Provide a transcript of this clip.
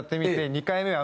２回目は。